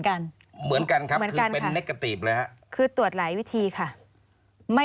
คือตรวจหลายวิธีค่ะ